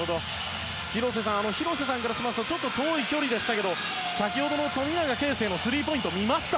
広瀬さんからしますと遠い距離でしたが先ほどの富永啓生のスリーポイント見ました？